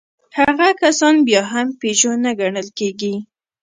هغه کسان بيا هم پيژو نه ګڼل کېږي.